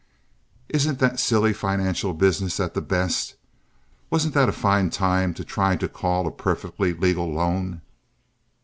Isn't that silly financial business at the best? Wasn't that a fine time to try to call a perfectly legal loan?